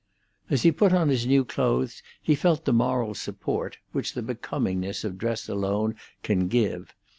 As he put on his new clothes he felt the moral support which the becomingness of dress alone can give.